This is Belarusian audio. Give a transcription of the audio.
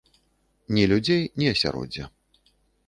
Ні людзей, ні асяроддзя.